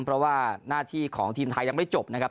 เพราะว่าหน้าที่ของทีมไทยยังไม่จบนะครับ